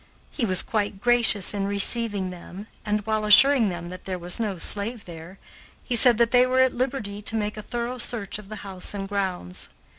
He was quite gracious in receiving them, and, while assuring them that there was no slave there, he said that they were at liberty to make a thorough search of the house and grounds.